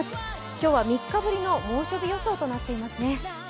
今日は３日ぶりの猛暑日予想となっていますね。